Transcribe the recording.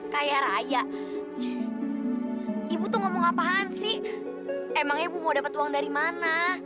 kaya raya ibu tuh ngomong apaan sih emangnya ibu mau dapat uang dari mana